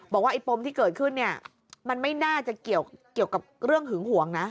บอกว่าไอ้ปมที่เกิดขึ้นเนี่ยมันไม่น่าจะเกี่ยวกับเรื่องหึงหวงนะ